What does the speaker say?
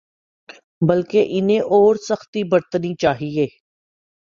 بلکہ انہیں اور سختی برتنی چاہیے۔